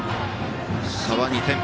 差は２点。